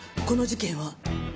この事件は。